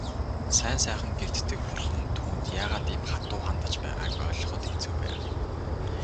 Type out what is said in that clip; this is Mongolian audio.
Сайн сайхан гэгддэг бурхан түүнд яагаад ийм хатуу хандаж байгааг ойлгоход хэцүү байв.